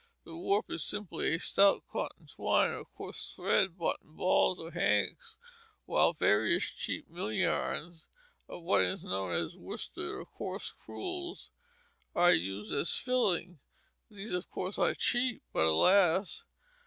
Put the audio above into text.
The warp is simply a stout cotton twine or coarse thread bought in balls or hanks; while various cheap mill yarns or what is known as worsteds or coarse crewels are used as filling. These, of course, are cheap, but alas!